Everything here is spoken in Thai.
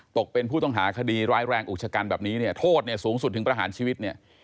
ตกเป็นผู้ต้องหาคดีร้ายแรงอุกชกันแบบนี้โทษสูงสุดถึงประหารชีวิต